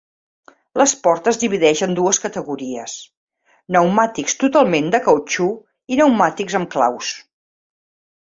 L'esport es divideix en dues categories: pneumàtics totalment de cautxú i pneumàtics amb claus.